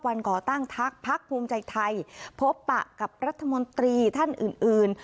วันก่อตั้งทักพักภูมิใจไทยพบปะกับรัฐมนตรีท่านอื่น